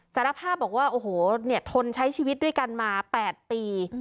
สารภาพบอกว่าโอ้โหเนี่ยทนใช้ชีวิตด้วยกันมา๘ปี